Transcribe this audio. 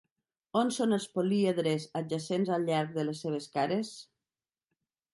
On són els políedres adjacents al llarg de les seves cares?